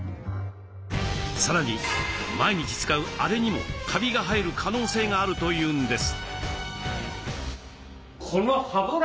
さらに毎日使うアレにもカビが生える可能性があるというんです。